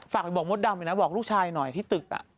ฝากไปบอกมดดำหน่อยนะบอกลูกชายหน่อยที่ตึก